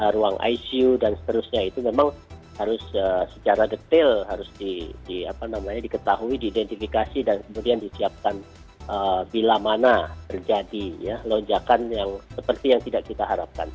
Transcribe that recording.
ruang icu dan seterusnya itu memang harus secara detail harus diketahui diidentifikasi dan kemudian disiapkan bila mana terjadi lonjakan yang seperti yang tidak kita harapkan